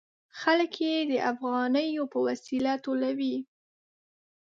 خلک یې د افغانیو په وسیله ټولوي.